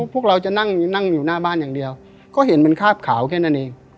พวกเราจะนั่งอยู่หน้าบ้านอย่างเดียวก็เห็นเป็นคาบขาวแค่นั้นเอง